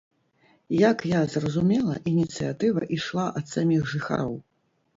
Як я зразумела, ініцыятыва ішла ад саміх жыхароў.